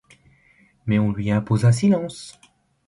Mais on lui imposa silence.